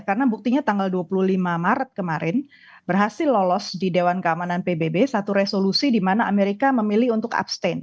karena buktinya tanggal dua puluh lima maret kemarin berhasil lolos di dewan keamanan pbb satu resolusi di mana amerika memilih untuk abstain